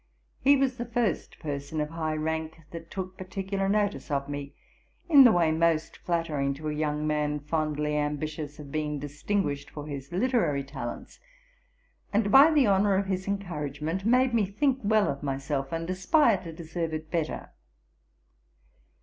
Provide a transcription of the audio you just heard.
He was the first person of high rank that took particular notice of me in the way most flattering to a young man, fondly ambitious of being distinguished for his literary talents; and by the honour of his encouragement made me think well of myself, and aspire to deserve it better.